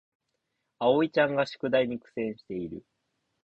あおいちゃんが宿題に苦戦している